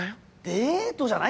デートじゃないですよ！